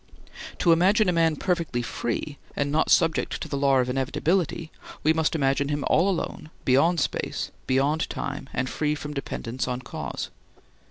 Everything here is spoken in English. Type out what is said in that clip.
To imagine a man perfectly free and not subject to the law of inevitability, we must imagine him all alone, beyond space, beyond time, and free from dependence on cause.